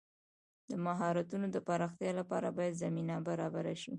د مهارتونو د پراختیا لپاره باید زمینه برابره شي.